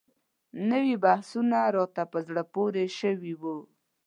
نوي مبحثونه راته په زړه پورې شوي وو.